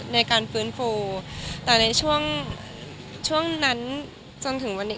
ในการฟื้นฟูแต่ในช่วงช่วงนั้นจนถึงวันนี้